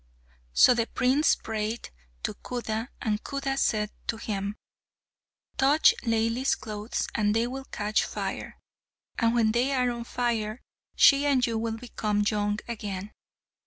So the prince prayed to Khuda, and Khuda said to him, "Touch Laili's clothes and they will catch fire, and when they are on fire, she and you will become young again."